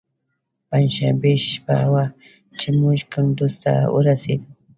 پنجشنبې شپه وه چې موږ کندوز ته ورسېدو.